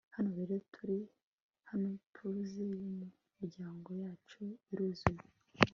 hano rero turi hano, puzzle yumuryango yacu iruzuye